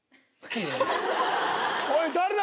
おい誰だ？